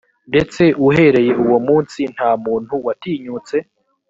ndetse uhereye uwo munsi nta muntu watinyutse